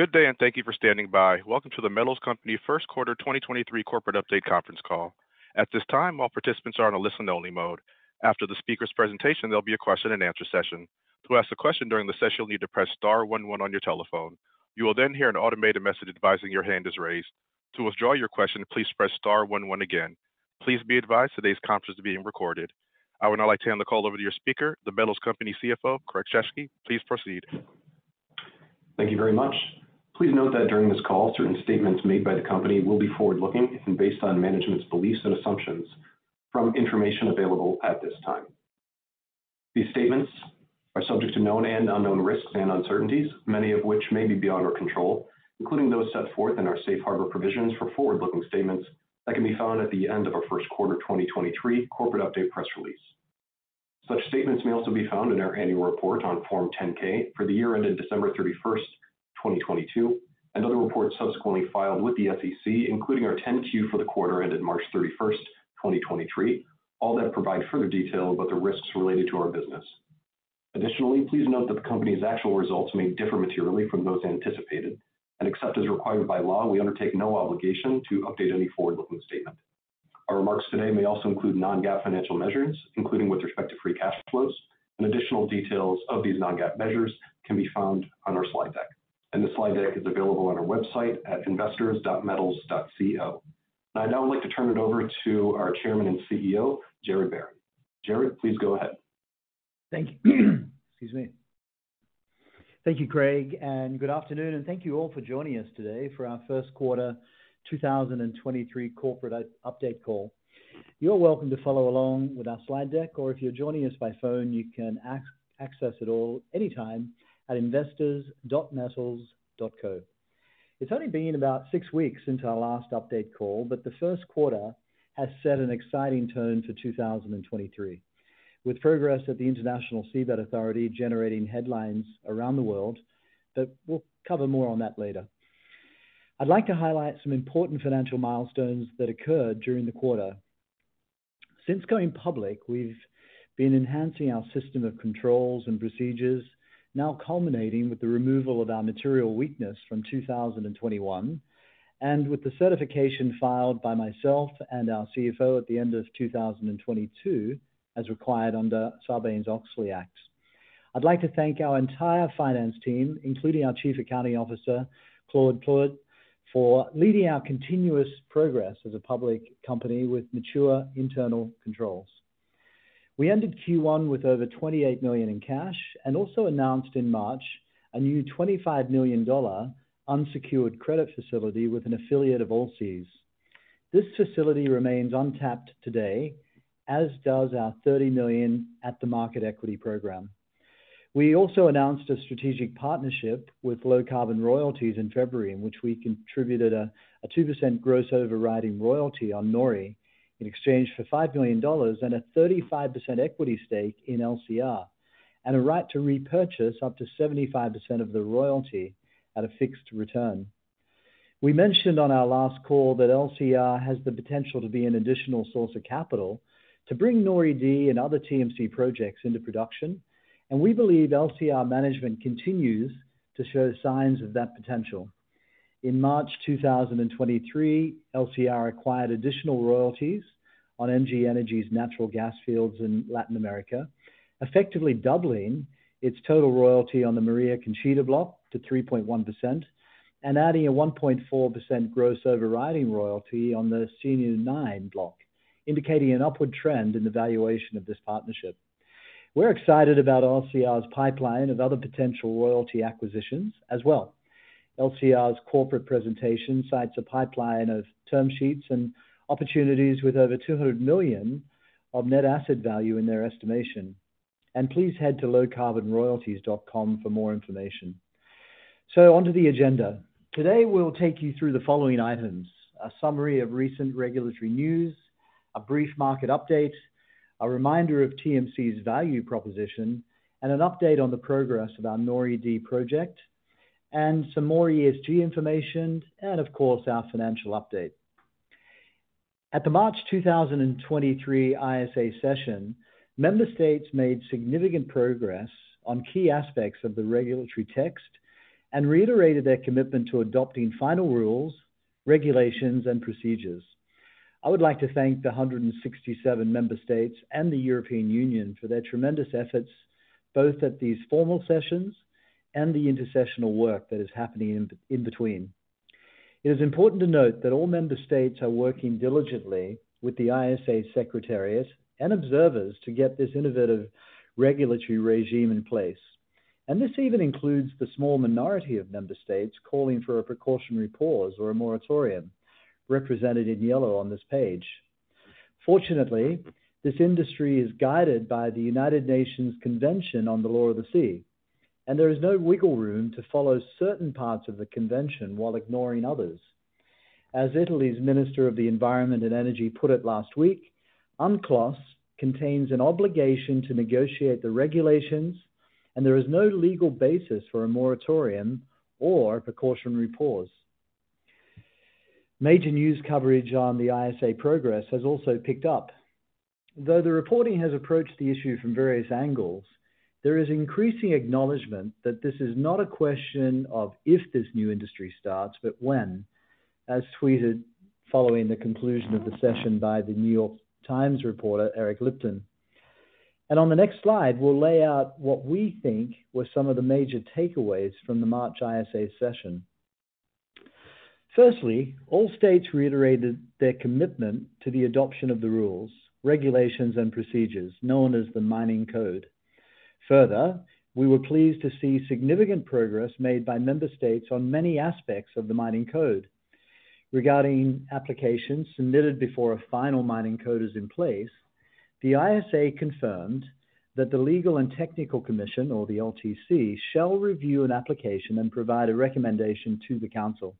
Good day. Thank you for standing by. Welcome to The Metals Company First Quarter 2023 corporate update conference call. At this time, all participants are on a listen only mode. After the speaker's presentation, there'll be a question and answer session. To ask a question during the session, you'll need to press star one one on your telephone. You will hear an automated message advising your hand is raised. To withdraw your question, please press star one one again. Please be advised today's conference is being recorded. I would now like to hand the call over to your speaker, The Metals Company CFO, Craig Sheskey. Please proceed. Thank you very much. Please note that during this call, certain statements made by the company will be forward-looking and based on management's beliefs and assumptions from information available at this time. These statements are subject to known and unknown risks and uncertainties, many of which may be beyond our control, including those set forth in our safe harbor provisions for forward-looking statements that can be found at the end of our first quarter 2023 corporate update press release. Such statements may also be found in our annual report on Form 10-K for the year ended December 31st, 2022, and other reports subsequently filed with the SEC, including our 10-Q for the quarter ended March 31st, 2023. All that provide further detail about the risks related to our business. Additionally, please note that the company's actual results may differ materially from those anticipated. Except as required by law, we undertake no obligation to update any forward-looking statement. Our remarks today may also include non-GAAP financial measures, including with respect to Free Cash Flows, and additional details of these non-GAAP measures can be found on our slide deck. The slide deck is available on our website at investors.metals.co. I'd now like to turn it over to our chairman and CEO, Gerard Barron. Gerry, please go ahead. Thank you. Excuse me. Thank you, Craig. Good afternoon, and thank you all for joining us today for our first quarter 2023 corporate update call. You're welcome to follow along with our slide deck, or if you're joining us by phone, you can access it all anytime at investors.metals.com. It's only been about six weeks since our last update call. The first quarter has set an exciting tone for 2023. With progress at the International Seabed Authority generating headlines around the world, we'll cover more on that later. I'd like to highlight some important financial milestones that occurred during the quarter. Since going public, we've been enhancing our system of controls and procedures, now culminating with the removal of our material weakness from 2021, and with the certification filed by myself and our CFO at the end of 2022, as required under Sarbanes-Oxley Act. I'd like to thank our entire finance team, including our Chief Accounting Officer, Claude Plourde, for leading our continuous progress as a public company with mature internal controls. We ended Q1 with over $28 million in cash and also announced in March a new $25 million unsecured credit facility with an affiliate of Allseas. This facility remains untapped today, as does our $30 million at the market equity program. We also announced a strategic partnership with Low Carbon Royalties in February, in which we contributed a 2% gross overriding royalty on NORI in exchange for $5 million and a 35% equity stake in LCR, a right to repurchase up to 75% of the royalty at a fixed return. We mentioned on our last call that LCR has the potential to be an additional source of capital to bring NORI-D and other TMC projects into production, we believe LCR management continues to show signs of that potential. In March 2023, LCR acquired additional royalties on MG Energy's natural gas fields in Latin America, effectively doubling its total royalty on the Maria Conchita block to 3.1% and adding a 1.4% gross overriding royalty on the Sinú-9 block, indicating an upward trend in the valuation of this partnership. We're excited about LCR's pipeline of other potential royalty acquisitions as well. LCR's corporate presentation cites a pipeline of term sheets and opportunities with over $200 million of net asset value in their estimation. Please head to lowcarbonroyalties.com for more information. Onto the agenda. Today, we'll take you through the following items: a summary of recent regulatory news, a brief market update, a reminder of TMC's value proposition, and an update on the progress of our NORI-D project, and some more ESG information, and of course, our financial update. At the March 2023 ISA session, member states made significant progress on key aspects of the regulatory text and reiterated their commitment to adopting final rules, regulations, and procedures. I would like to thank the 167 member states and the European Union for their tremendous efforts, both at these formal sessions and the intersessional work that is happening in between. It is important to note that all member states are working diligently with the ISA Secretariat and observers to get this innovative regulatory regime in place. This even includes the small minority of member states calling for a precautionary pause or a moratorium represented in yellow on this page. Fortunately, this industry is guided by the United Nations Convention on the Law of the Sea, there is no wiggle room to follow certain parts of the convention while ignoring others. As Italy's Minister of the Environment and Energy put it last week, UNCLOS contains an obligation to negotiate the regulations, there is no legal basis for a moratorium or precautionary pause. Major news coverage on the ISA progress has also picked up. Though the reporting has approached the issue from various angles, there is increasing acknowledgement that this is not a question of if this new industry starts, but when, as tweeted following the conclusion of the session by The New York Times reporter, Eric Lipton. On the next slide, we'll lay out what we think were some of the major takeaways from the March ISA session. Firstly, all states reiterated their commitment to the adoption of the rules, regulations, and procedures known as the Mining Code. We were pleased to see significant progress made by member states on many aspects of the Mining Code. Regarding applications submitted before a final Mining Code is in place, the ISA confirmed that the Legal and Technical Commission, or the LTC, shall review an application and provide a recommendation to the council.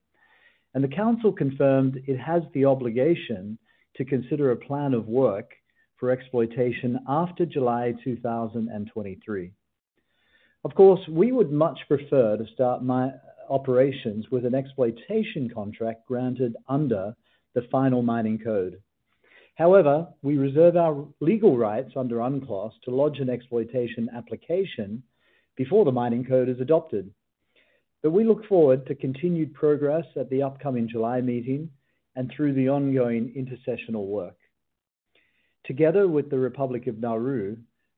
The council confirmed it has the obligation to consider a plan of work for exploitation after July 2023. Of course, we would much prefer to start operations with an exploitation contract granted under the final Mining Code. We reserve our legal rights under UNCLOS to lodge an exploitation application before the Mining Code is adopted. We look forward to continued progress at the upcoming July meeting and through the ongoing intersessional work. Together with the Republic of Nauru,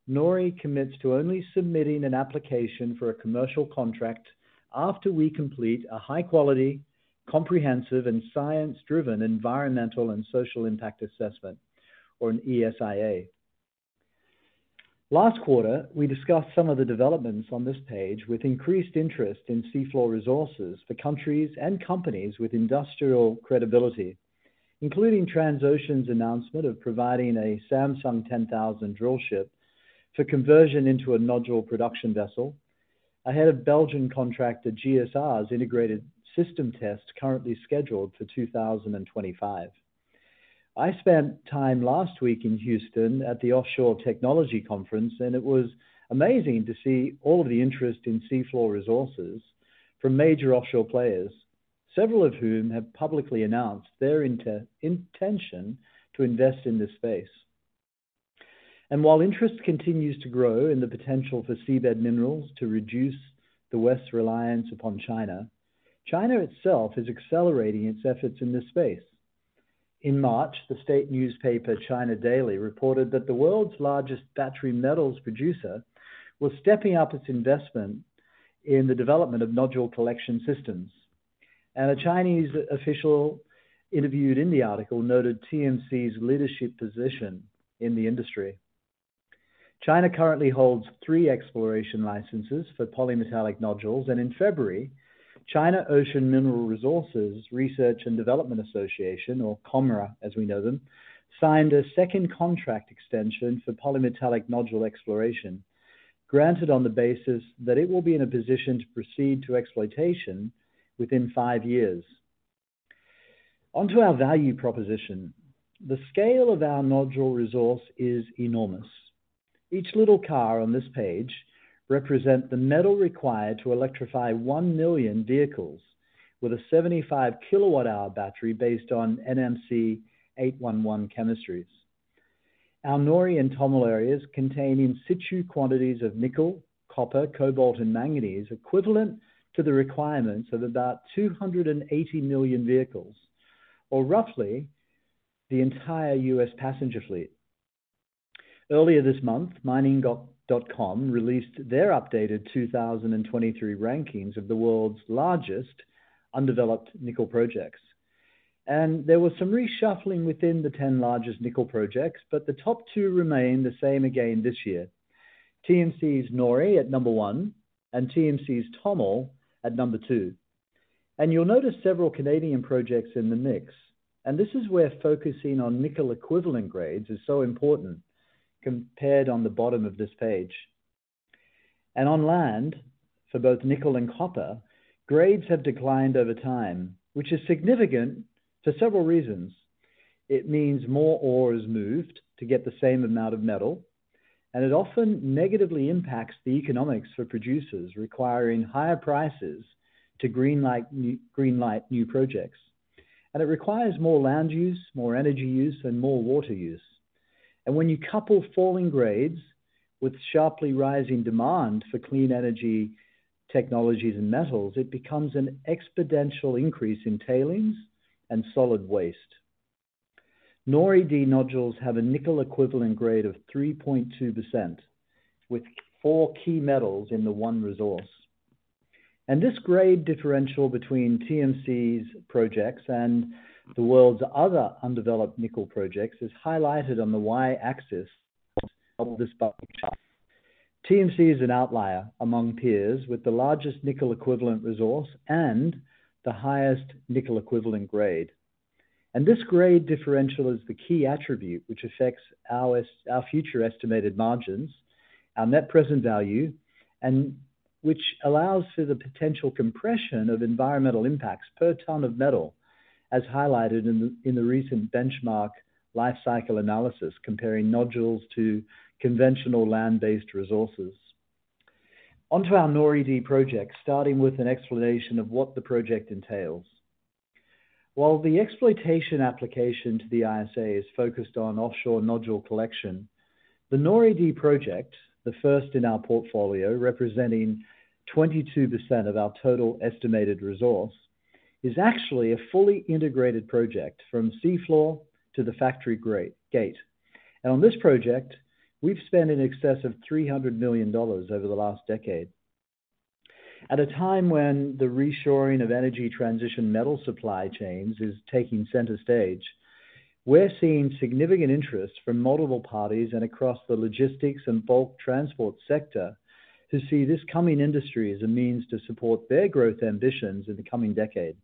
NORI commits to only submitting an application for a commercial contract after we complete a high-quality, comprehensive, and science-driven environmental and social impact assessment, or an ESIA. Last quarter, we discussed some of the developments on this page with increased interest in seafloor resources for countries and companies with industrial credibility, including Transocean's announcement of providing a Samsung 10000 drillship for conversion into a nodule production vessel ahead of Belgian contractor GSR's integrated system test currently scheduled for 2025. I spent time last week in Houston at the Offshore Technology Conference, it was amazing to see all of the interest in seafloor resources from major offshore players, several of whom have publicly announced their intention to invest in this space. While interest continues to grow in the potential for seabed minerals to reduce the West's reliance upon China itself is accelerating its efforts in this space. In March, the state newspaper China Daily reported that the world's largest battery metals producer was stepping up its investment in the development of nodule collection systems. A Chinese official interviewed in the article noted TMC's leadership position in the industry. China currently holds three exploration licenses for polymetallic nodules. In February, China Ocean Mineral Resources Research and Development Association, or COMRA as we know them, signed a 2nd contract extension for polymetallic nodule exploration, granted on the basis that it will be in a position to proceed to exploitation within five years. Onto our value proposition. The scale of our nodule resource is enormous. Each little car on this page represent the metal required to electrify 1 million vehicles with a 75 kWh battery based on NMC 811 chemistries. Our NORI and TOML areas contain in situ quantities of nickel, copper, cobalt, and manganese equivalent to the requirements of about 280 million vehicles or roughly the entire U.S. passenger fleet. Earlier this month, Mining.com released their updated 2023 rankings of the world's largest undeveloped nickel projects. There was some reshuffling within the 10 largest nickel projects, but the top two remain the same again this year. TMC's NORI at number one and TMC's TOML at number two. You'll notice several Canadian projects in the mix. This is where focusing on nickel-equivalent grades is so important compared on the bottom of this page. On land, for both nickel and copper, grades have declined over time, which is significant for several reasons. It means more ore is moved to get the same amount of metal, and it often negatively impacts the economics for producers requiring higher prices to green light new projects. It requires more land use, more energy use, and more water use. When you couple falling grades with sharply rising demand for clean energy technologies and metals, it becomes an exponential increase in tailings and solid waste. NORI-D nodules have a nickel-equivalent grade of 3.2% with four key metals in the one resource. This grade differential between TMC's projects and the world's other undeveloped nickel projects is highlighted on the y-axis of this bar chart. TMC is an outlier among peers with the largest nickel-equivalent resource and the highest nickel-equivalent grade. This grade differential is the key attribute which affects our future estimated margins, our NPV, and which allows for the potential compression of environmental impacts per ton of metal, as highlighted in the recent benchmark life cycle analysis comparing nodules to conventional land-based resources. Onto our NORI-D project, starting with an explanation of what the project entails. While the exploitation application to the ISA is focused on offshore nodule collection, the NORI-D project, the first in our portfolio representing 22% of our total estimated resource, is actually a fully integrated project from seafloor to the factory gate. On this project, we've spent in excess of $300 million over the last decade. At a time when the reshoring of energy transition metal supply chains is taking center stage, we're seeing significant interest from multiple parties and across the logistics and bulk transport sector to see this coming industry as a means to support their growth ambitions in the coming decade.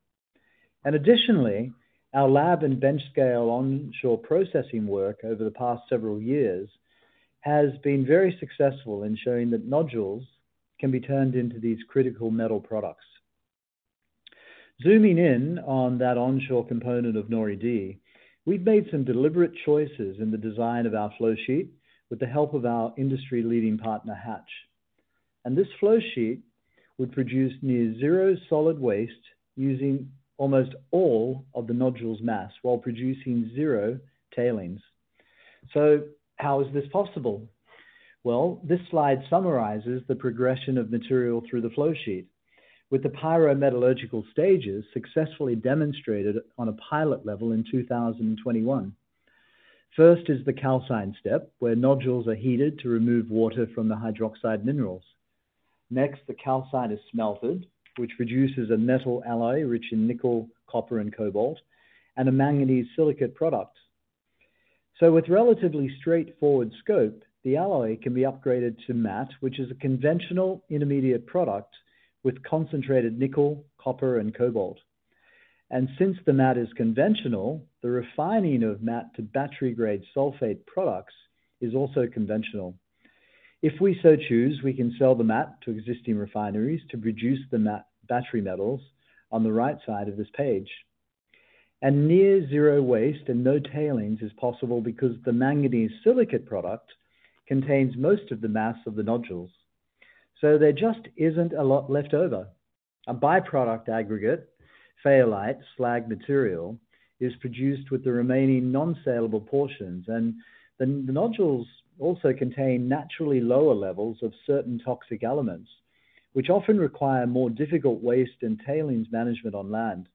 Additionally, our lab and bench scale onshore processing work over the past several years has been very successful in showing that nodules can be turned into these critical metal products. Zooming in on that onshore component of NORI-D, we've made some deliberate choices in the design of our flow sheet with the help of our industry-leading partner, Hatch. This flow sheet would produce near zero solid waste using almost all of the nodule's mass while producing zero tailings. How is this possible? Well, this slide summarizes the progression of material through the flow sheet with the pyrometallurgical stages successfully demonstrated on a pilot level in 2021. First is the calcine step, where nodules are heated to remove water from the hydroxide minerals. Next, the calcine is smelted, which produces a metal alloy rich in nickel, copper and cobalt, and a manganese silicate product. With relatively straightforward scope, the alloy can be upgraded to matte, which is a conventional intermediate product with concentrated nickel, copper and cobalt. Since the matte is conventional, the refining of matte to battery-grade sulfate products is also conventional. If we so choose, we can sell the matte to existing refineries to produce the battery metals on the right side of this page. Near zero waste and no tailings is possible because the manganese silicate product contains most of the mass of the nodules, so there just isn't a lot left over. A byproduct aggregate, fayalite slag material, is produced with the remaining non-saleable portions. The nodules also contain naturally lower levels of certain toxic elements, which often require more difficult waste and tailings management on land.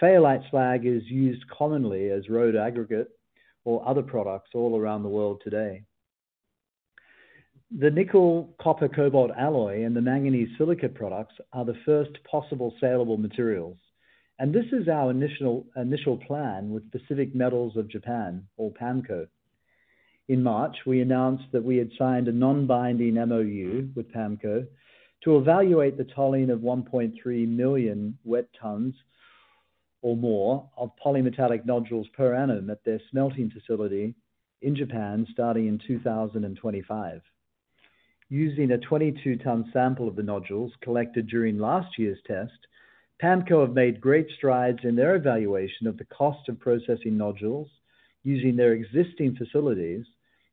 Fayalite slag is used commonly as road aggregate or other products all around the world today. The nickel copper cobalt alloy and the manganese silicate products are the first possible saleable materials. This is our initial plan with Pacific Metals of Japan or PAMCO. In March, we announced that we had signed a non-binding MoU with PAMCO to evaluate the tolling of 1.3 million wet tonnes or more of polymetallic nodules per annum at their smelting facility in Japan starting in 2025. Using a 22-tonne sample of the nodules collected during last year's test, PAMCO have made great strides in their evaluation of the cost of processing nodules using their existing facilities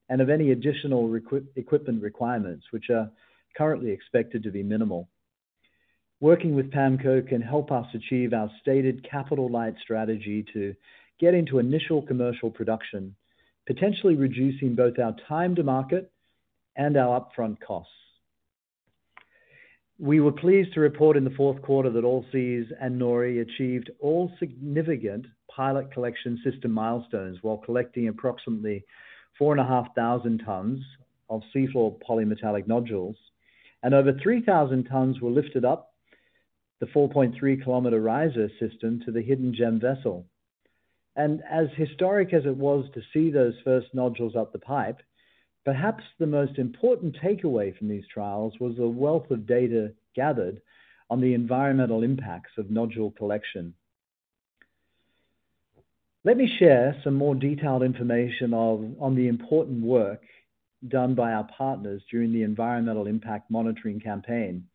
and of any additional equipment requirements which are currently expected to be minimal. Working with PAMCO can help us achieve our stated capital light strategy to get into initial commercial production, potentially reducing both our time to market and our upfront costs. We were pleased to report in the fourth quarter that Allseas and NORI achieved all significant pilot collection system milestones while collecting approximately 4,500 tons of seafloor polymetallic nodules and over 3,000 tons were lifted up the 4.3 km riser system to the Hidden Gem vessel. As historic as it was to see those first nodules up the pipe, perhaps the most important takeaway from these trials was the wealth of data gathered on the environmental impacts of nodule collection. Let me share some more detailed information on the important work done by our partners during the environmental impact monitoring campaign,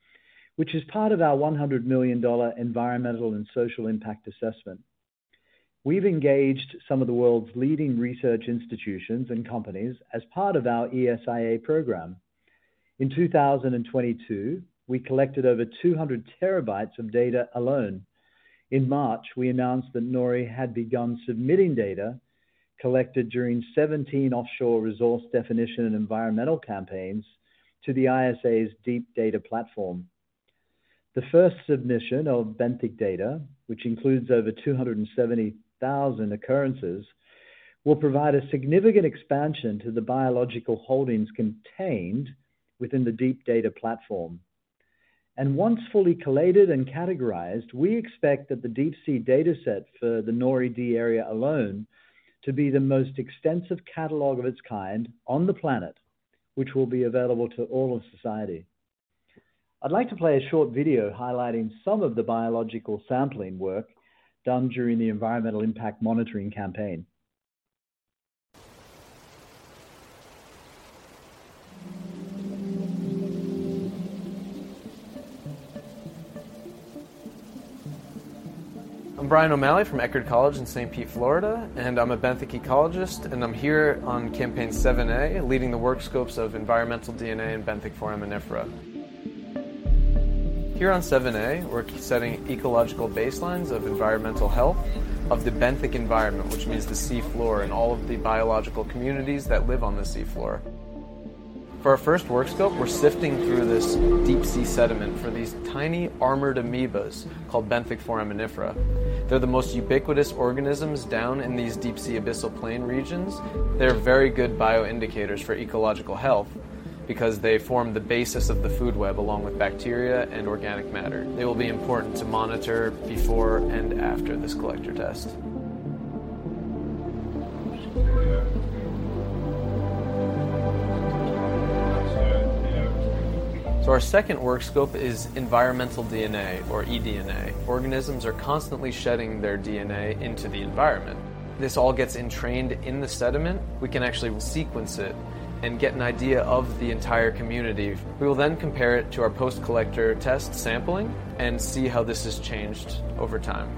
which is part of our $100 million Environmental and Social Impact Assessment. We've engaged some of the world's leading research institutions and companies as part of our ESIA program. In 2022, we collected over 200 TB of data alone. In March, we announced that NORI had begun submitting data collected during 17 offshore resource definition and environmental campaigns to the ISA's Deep Data platform. The first submission of benthic data, which includes over 270,000 occurrences, will provide a significant expansion to the biological holdings contained within the Deep Data platform. Once fully collated and categorized, we expect that the deep sea data set for the NORI-D area alone to be the most extensive catalog of its kind on the planet, which will be available to all of society. I'd like to play a short video highlighting some of the biological sampling work done during the environmental impact monitoring campaign. I'm Bryan O'Malley from Eckerd College in St. Pete, Florida. I'm a benthic ecologist, and I'm here on campaign seven A, leading the work scopes of environmental DNA and benthic foraminifera. Here on seven A, we're setting ecological baselines of environmental health of the benthic environment, which means the sea floor and all of the biological communities that live on the sea floor. For our first work scope, we're sifting through this deep sea sediment for these tiny armored amoebas called benthic foraminifera. They're the most ubiquitous organisms down in these deep sea abyssal plain regions. They're very good bioindicators for ecological health because they form the basis of the food web, along with bacteria and organic matter. They will be important to monitor before and after this collector test. Our second work scope is environmental DNA or eDNA. Organisms are constantly shedding their DNA into the environment. This all gets entrained in the sediment. We can actually sequence it and get an idea of the entire community. We will then compare it to our post collector test sampling and see how this has changed over time.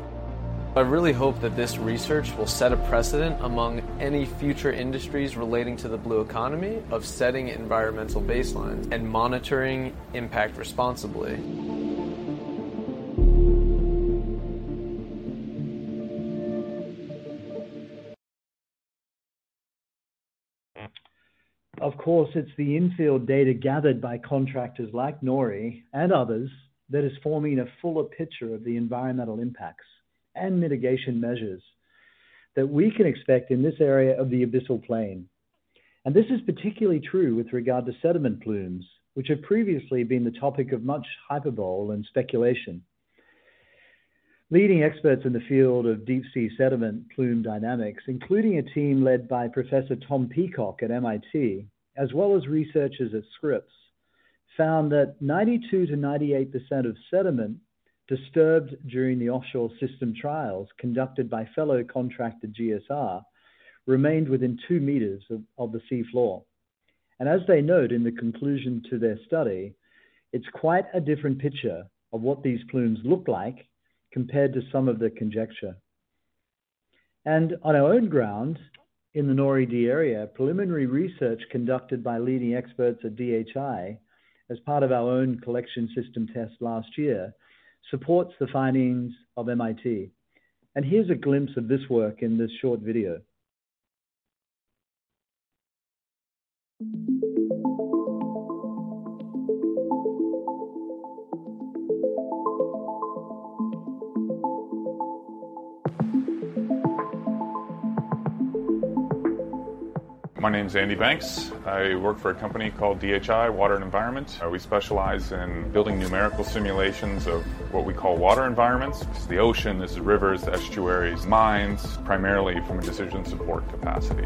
I really hope that this research will set a precedent among any future industries relating to the blue economy of setting environmental baselines and monitoring impact responsibly. It's the infield data gathered by contractors like NORI and others that is forming a fuller picture of the environmental impacts and mitigation measures that we can expect in this area of the abyssal plain. This is particularly true with regard to sediment plumes, which have previously been the topic of much hyperbole and speculation. Leading experts in the field of deep sea sediment plume dynamics, including a team led by Professor Tom Peacock at MIT, as well as researchers at Scripps, found that 92%-98% of sediment disturbed during the offshore system trials conducted by fellow contractor GSR remained within 2 m of the sea floor. As they note in the conclusion to their study, it's quite a different picture of what these plumes look like compared to some of the conjecture. On our own grounds in the NORI-D area, preliminary research conducted by leading experts at DHI as part of our own collection system test last year supports the findings of MIT. Here's a glimpse of this work in this short video. My name's Andy Banks. I work for a company called DHI Water and Environment. We specialize in building numerical simulations of what we call water environments. It's the ocean, it's the rivers, the estuaries, mines, primarily from a decision support capacity.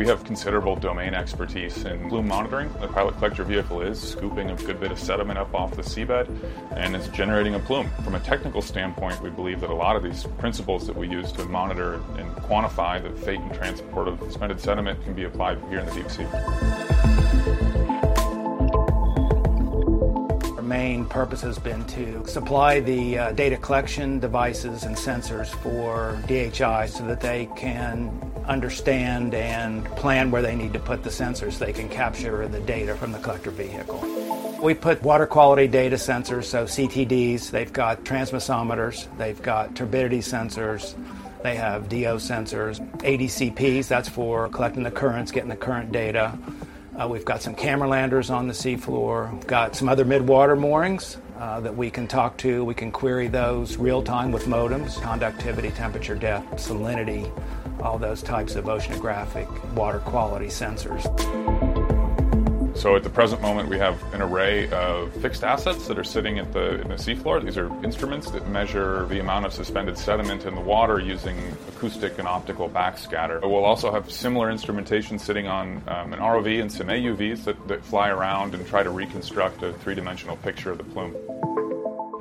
We have considerable domain expertise in plume monitoring. The pilot collector vehicle is scooping a good bit of sediment up off the seabed, and it's generating a plume. From a technical standpoint, we believe that a lot of these principles that we use to monitor and quantify the fate and transport of suspended sediment can be applied here in the deep sea. Our main purpose has been to supply the data collection devices and sensors for DHI so that they can understand and plan where they need to put the sensors. They can capture the data from the collector vehicle. We put water quality data sensors, so CTDs, they've got transmissometers, they've got turbidity sensors, they have DO sensors, ADCPs, that's for collecting the currents, getting the current data. We've got some camera landers on the sea floor. We've got some other mid-water moorings that we can talk to. We can query those real time with modems, conductivity, temperature, depth, salinity, all those types of oceanographic water quality sensors. At the present moment, we have an array of fixed assets that are sitting in the seafloor. These are instruments that measure the amount of suspended sediment in the water using acoustic and optical backscatter. We'll also have similar instrumentation sitting on an ROV and some AUVs that fly around and try to reconstruct a three-dimensional picture of the plume.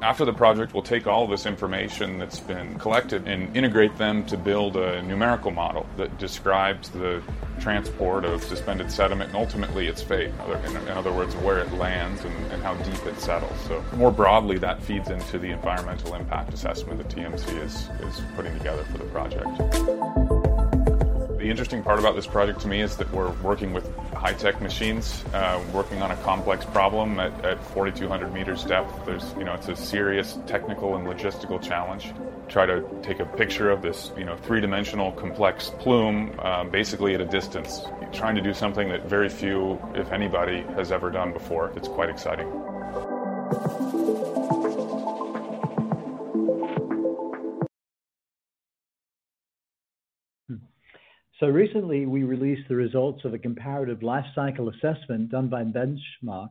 After the project, we'll take all this information that's been collected and integrate them to build a numerical model that describes the transport of suspended sediment and ultimately its fate. In other words, where it lands and how deep it settles. More broadly, that feeds into the environmental impact assessment that TMC is putting together for the project. The interesting part about this project to me is that we're working with high-tech machines, working on a complex problem at 4,200 m depth. There's, you know, it's a serious technical and logistical challenge. Try to take a picture of this, you know, three-dimensional complex plume, basically at a distance, trying to do something that very few, if anybody, has ever done before. It's quite exciting. Recently we released the results of a comparative life cycle assessment done by Benchmark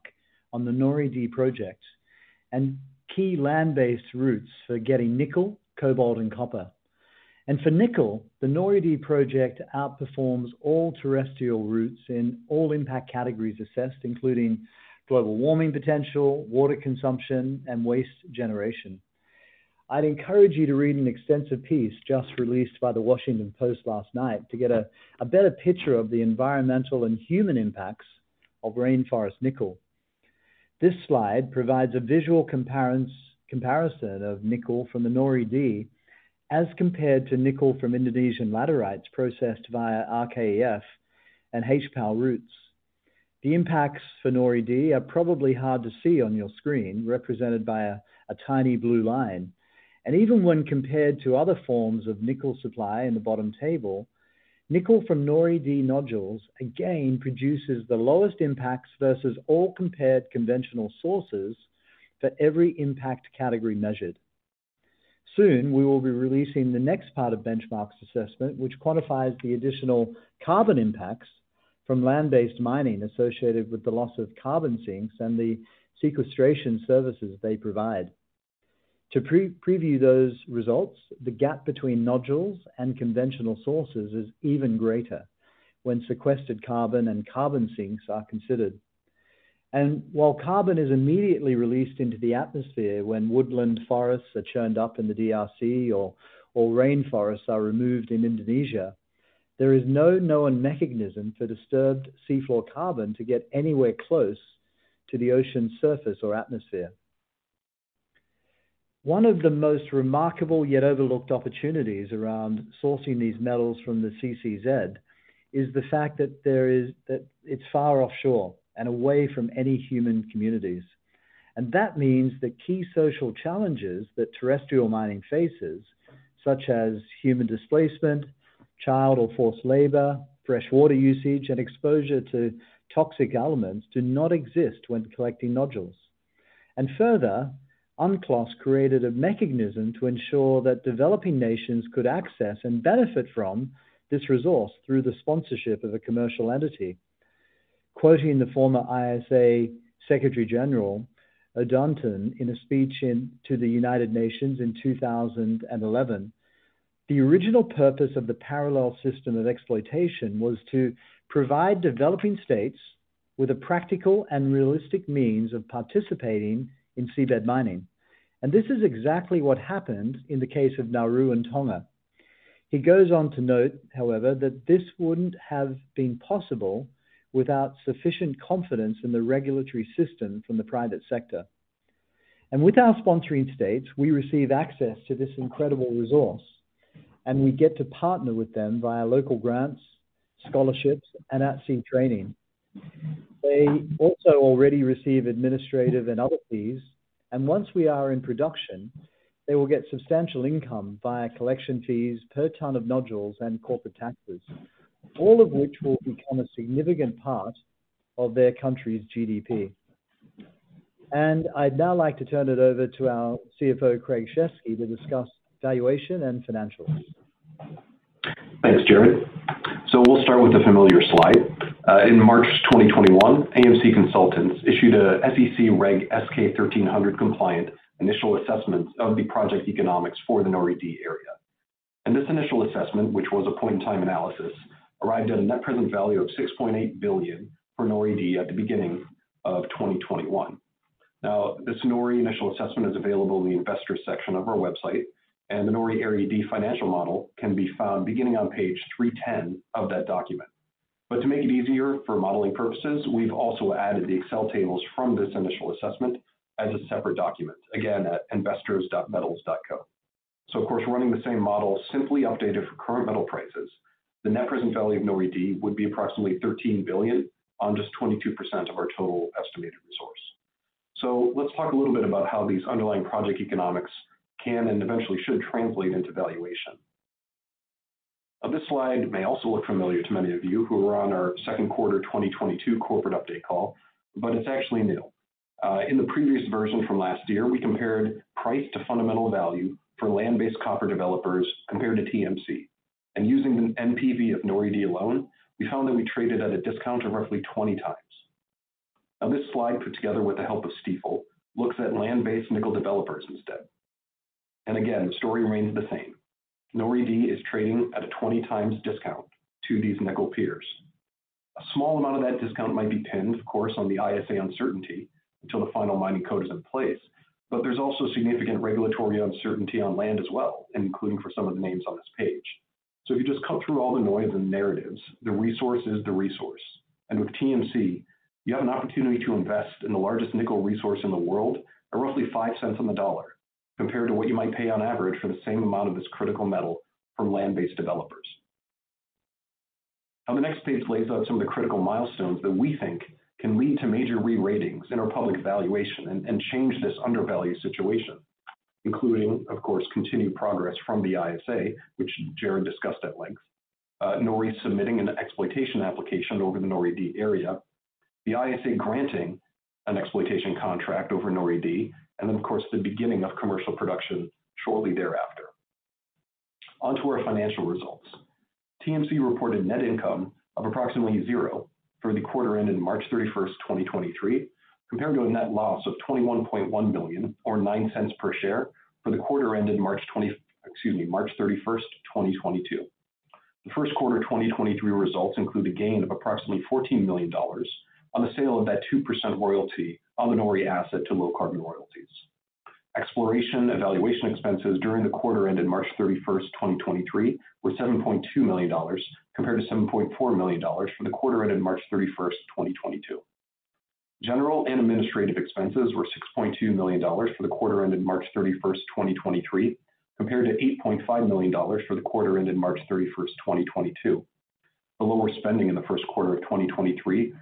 on the NORI-D project and key land-based routes for getting nickel, cobalt, and copper. For nickel, the NORI-D project outperforms all terrestrial routes in all impact categories assessed, including global warming potential, water consumption, and waste generation. I'd encourage you to read an extensive piece just released by The Washington Post last night to get a better picture of the environmental and human impacts of rainforest nickel. This slide provides a visual comparison of nickel from the NORI-D as compared to nickel from Indonesian laterites processed via RKEF and HPAL routes. The impacts for NORI-D are probably hard to see on your screen, represented by a tiny blue line. Even when compared to other forms of nickel supply in the bottom table, nickel from NORI-D nodules again produces the lowest impacts versus all compared conventional sources for every impact category measured. Soon, we will be releasing the next part of Benchmark's assessment, which quantifies the additional carbon impacts from land-based mining associated with the loss of carbon sinks and the sequestration services they provide. To pre-preview those results, the gap between nodules and conventional sources is even greater when sequestered carbon and carbon sinks are considered. While carbon is immediately released into the atmosphere when woodland forests are churned up in the DRC or rainforests are removed in Indonesia, there is no known mechanism for disturbed seafloor carbon to get anywhere close to the ocean surface or atmosphere. One of the most remarkable yet overlooked opportunities around sourcing these metals from the CCZ is the fact that it's far offshore and away from any human communities. That means the key social challenges that terrestrial mining faces, such as human displacement, child or forced labor, fresh water usage, and exposure to toxic elements, do not exist when collecting nodules. Further, UNCLOS created a mechanism to ensure that developing nations could access and benefit from this resource through the sponsorship of a commercial entity. Quoting the former ISA Secretary General, Odunton, in a speech to the United Nations in 2011, "The original purpose of the parallel system of exploitation was to provide developing states with a practical and realistic means of participating in seabed mining." This is exactly what happened in the case of Nauru and Tonga. He goes on to note, however, that this wouldn't have been possible without sufficient confidence in the regulatory system from the private sector. With our sponsoring states, we receive access to this incredible resource, and we get to partner with them via local grants, scholarships, and at-sea training. They also already receive administrative and other fees, and once we are in production, they will get substantial income via collection fees per ton of nodules and corporate taxes, all of which will become a significant part of their country's GDP. I'd now like to turn it over to our CFO, Craig Sheskey, to discuss valuation and financials. Thanks, Gerard. We'll start with a familiar slide. In March 2021, AMC Consultants issued a SEC Reg S-K 1300 compliant initial assessments of the project economics for the NORI-D area. This initial assessment, which was a point-in-time analysis, arrived at a net present value of $6.8 billion for NORI-D at the beginning of 2021. This NORI initial assessment is available in the investors section of our website, and the NORI Area D financial model can be found beginning on page 310 of that document. To make it easier for modeling purposes, we've also added the Excel tables from this initial assessment as a separate document, again, at investors.metals.com. Of course, running the same model simply updated for current metal prices, the net present value of NORI-D would be approximately $13 billion on just 22% of our total estimated resource. Let's talk a little bit about how these underlying project economics can and eventually should translate into valuation. This slide may also look familiar to many of you who were on our second quarter 2022 corporate update call, but it's actually new. In the previous version from last year, we compared price to fundamental value for land-based copper developers compared to TMC. Using the NPV of NORI-D alone, we found that we traded at a discount of roughly 20x. This slide, put together with the help of Stifel, looks at land-based nickel developers instead. Again, the story remains the same. NORI-D is trading at a 20xs discount to these nickel peers. A small amount of that discount might be pinned, of course, on the ISA uncertainty until the final Mining Code is in place. There's also significant regulatory uncertainty on land as well, including for some of the names on this page. If you just cut through all the noise and narratives, the resource is the resource. With TMC, you have an opportunity to invest in the largest nickel resource in the world at roughly $0.05 on the dollar compared to what you might pay on average for the same amount of this critical metal from land-based developers. The next page lays out some of the critical milestones that we think can lead to major re-ratings in our public valuation and change this undervalue situation, including, of course, continued progress from the ISA, which Gerard discussed at length, NORI submitting an exploitation application over the NORI-D area, the ISA granting an exploitation contract over NORI-D, and then of course, the beginning of commercial production shortly thereafter. Onto our financial results. TMC reported net income of approximately zero for the quarter ended March 31, 2023, compared to a net loss of $21.1 million or $0.09 per share for the quarter ended March 31, 2022. The first quarter 2023 results include a gain of approximately $14 million on the sale of that 2% royalty on the NORI asset to Low Carbon Royalties. Exploration evaluation expenses during the quarter ended March 31, 2023 were $7.2 million compared to $7.4 million for the quarter ended March 31, 2022. General and administrative expenses were $6.2 million for the quarter ended March 31, 2023, compared to $8.5 million for the quarter ended March 31, 2022. The lower spending in the first quarter of 2023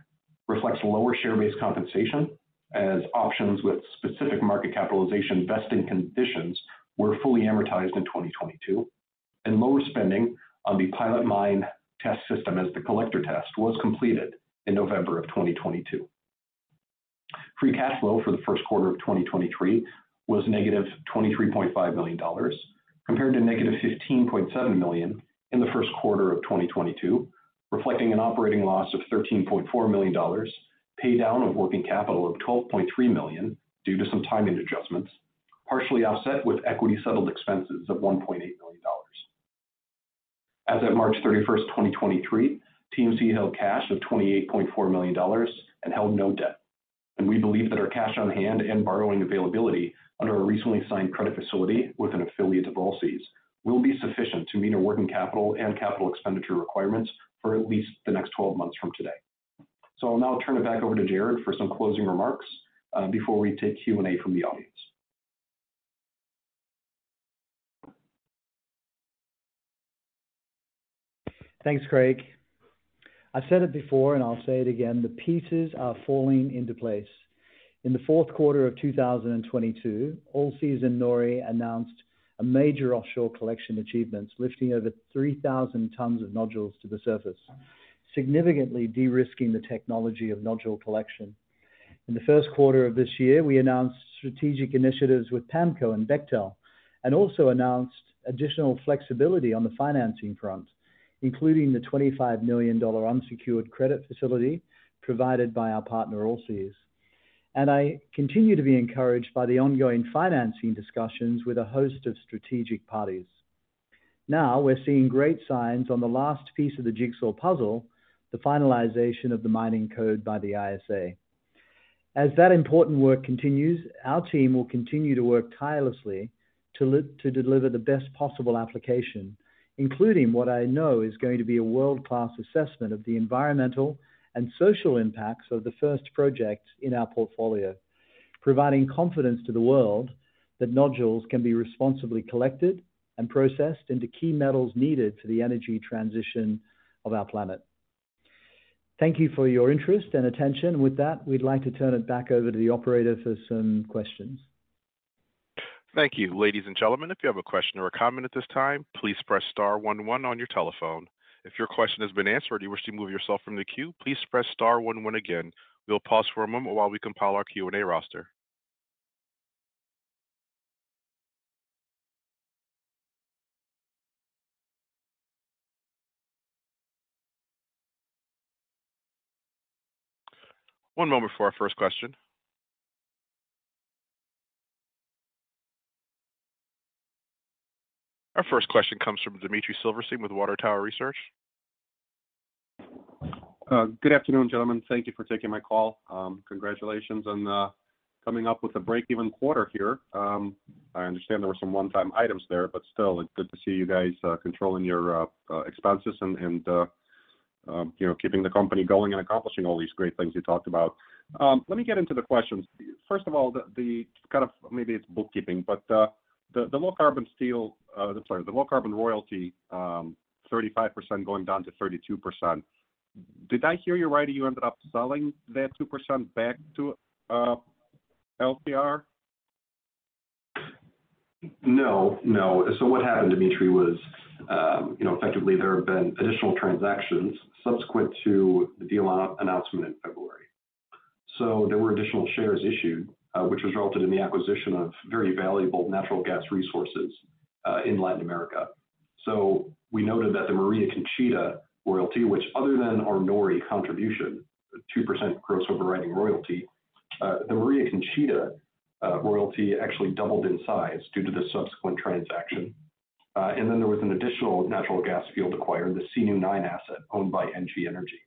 reflects lower share-based compensation as options with specific market capitalization vesting conditions were fully amortized in 2022, and lower spending on the pilot mine test system as the collector test was completed in November of 2022. Free Cash Flow for the first quarter of 2023 was negative $23.5 million, compared to negative $15.7 million in the first quarter of 2022. Reflecting an operating loss of $13.4 million, pay down of working capital of $12.3 million due to some timing adjustments, partially offset with equity settled expenses of $1.8 million. As of March 31, 2023, TMC held cash of $28.4 million and held no debt. We believe that our cash on hand and borrowing availability under a recently signed credit facility with an affiliate of Allseas will be sufficient to meet our working capital and capital expenditure requirements for at least the next 12 months from today. I'll now turn it back over to Gerard for some closing remarks, before we take Q&A from the audience. Thanks, Craig. I've said it before and I'll say it again, the pieces are falling into place. In the fourth quarter of 2022, Allseas and NORI announced a major offshore collection achievements, lifting over 3,000 tons of nodules to the surface, significantly de-risking the technology of nodule collection. In the first quarter of this year, we announced strategic initiatives with PAMCO and Bechtel, also announced additional flexibility on the financing front, including the $25 million unsecured credit facility provided by our partner, Allseas. I continue to be encouraged by the ongoing financing discussions with a host of strategic parties. Now we're seeing great signs on the last piece of the jigsaw puzzle, the finalization of the Mining Code by the ISA. As that important work continues, our team will continue to work tirelessly to deliver the best possible application, including what I know is going to be a world-class assessment of the environmental and social impacts of the first project in our portfolio. Providing confidence to the world that nodules can be responsibly collected and processed into key metals needed for the energy transition of our planet. Thank you for your interest and attention. With that, we'd like to turn it back over to the operator for some questions. Thank you. Ladies and gentlemen, if you have a question or a comment at this time, please press star one one on your telephone. If your question has been answered and you wish to move yourself from the queue, please press star one one again. We'll pause for a moment while we compile our Q&A roster. One moment for our first question. Our first question comes from Dmitry Silversteyn with Water Tower Research. Good afternoon, gentlemen. Thank you for taking my call. Congratulations on coming up with a break-even quarter here. I understand there were some one-time items there, but still, it's good to see you guys controlling your expenses and, you know, keeping the company going and accomplishing all these great things you talked about. Let me get into the questions. First of all, the kind of maybe it's bookkeeping, but the Low Carbon Steel, I'm sorry, the Low Carbon Royalty, 35% going down to 32%. Did I hear you right, you ended up selling that 2% back to LPR? No, no. What happened, Dmitry, was, you know, effectively there have been additional transactions subsequent to the deal announcement in February. There were additional shares issued, which resulted in the acquisition of very valuable natural gas resources in Latin America. We noted that the Maria Conchita royalty, which other than our NORI contribution, a 2% gross overriding royalty, the Maria Conchita royalty actually doubled in size due to the subsequent transaction. And then there was an additional natural gas field acquired, the Sinú-9 asset, owned by NG Energy.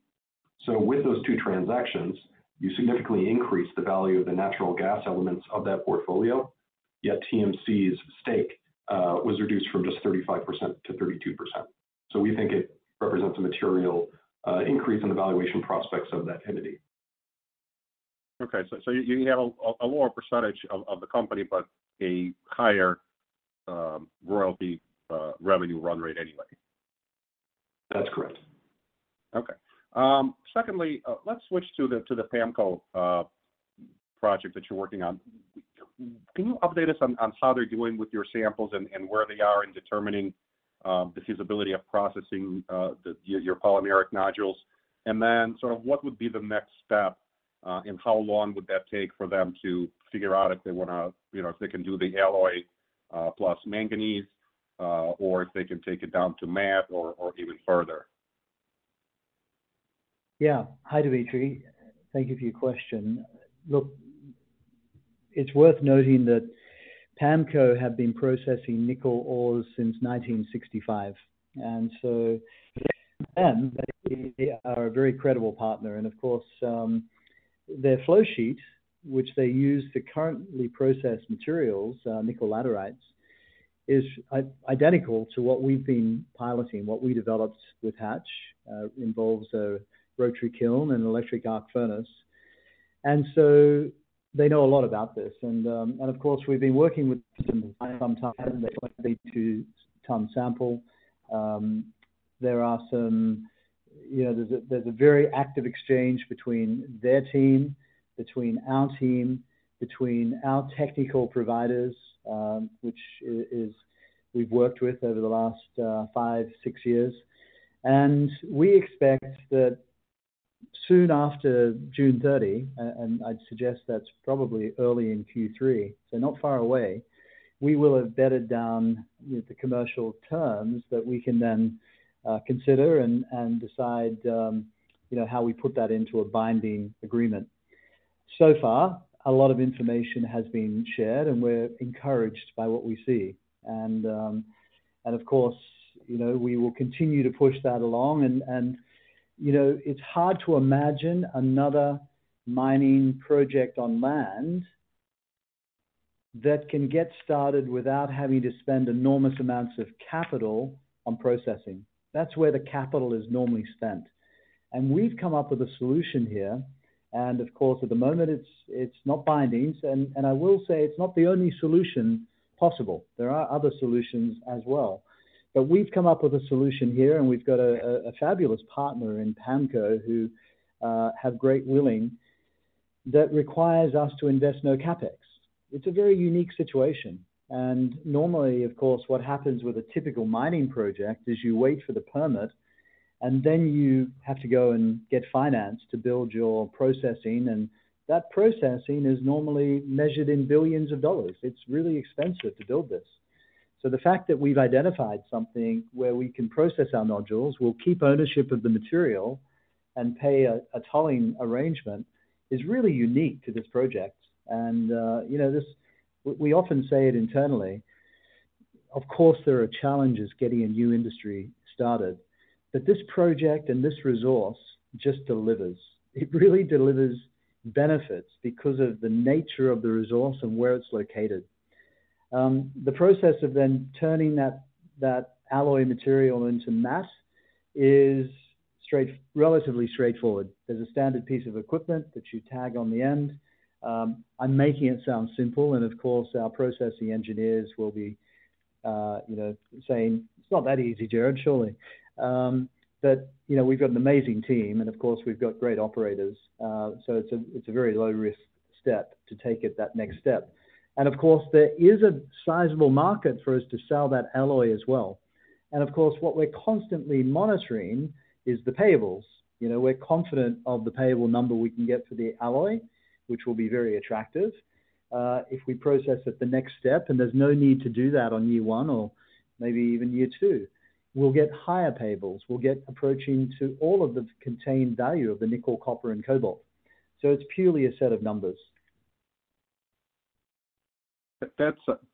With those two transactions, you significantly increase the value of the natural gas elements of that portfolio, yet TMC's stake was reduced from just 35%-32%. We think it represents a material increase in the valuation prospects of that entity. Okay. You have a lower percentage of the company, but a higher royalty revenue run rate anyway? That's correct. Okay. Secondly, let's switch to the PAMCO project that you're working on. Can you update us on how they're doing with your samples and where they are in determining the feasibility of processing your polymetallic nodules? What would be the next step and how long would that take for them to figure out if they wanna, you know, if they can do the alloy plus manganese or if they can take it down to matte or even further? Yeah. Hi, Dmitry. Thank you for your question. Look, it's worth noting that PAMCO have been processing nickel ores since 1965. They are a very credible partner. Of course, their flow sheet, which they use to currently process materials, nickel laterites, is identical to what we've been piloting. What we developed with Hatch involves a rotary kiln and electric arc furnace. They know a lot about this. Of course, we've been working with them for some time.